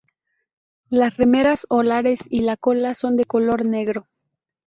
Las remeras alares y la cola son de color negro.